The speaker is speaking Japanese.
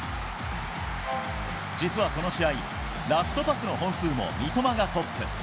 実はこの試合、ラストパスの本数も三笘がトップ。